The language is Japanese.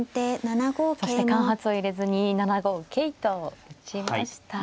そして間髪を入れずに７五桂と打ちました。